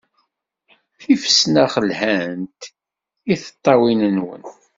Tifesnax lhant i tiṭṭawin-nwen.